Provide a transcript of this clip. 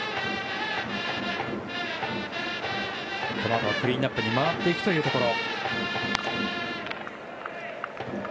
このあとはクリーンアップに回っていくところ。